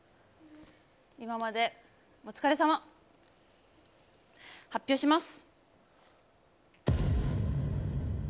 今までお疲れさま。発表します。